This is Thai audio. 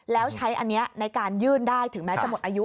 แล้วใช้อันนี้ในการยื่นได้ถึงแม้จะหมดอายุ